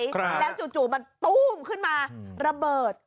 แล้วจู่มันตู้มขึ้นมาระเบิด